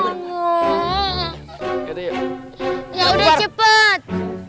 ya udah cepet